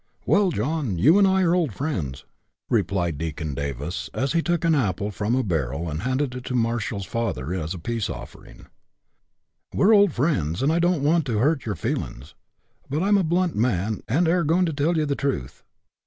" Well, John, you and I are old friends," replied Deacon Davis, as he took an apple from a barrel and handed it to Marshall's father as a peace offer ing ;" we are old friends, and I don't want to hurt your feelin's; but I'm a blunt man, and air goin' to tell you the truth.